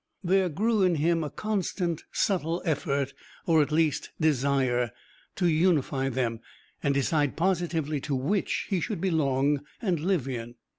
There grew in him a constant, subtle effort or, at least, desire to unify them and decide positively to which he should belong and live in.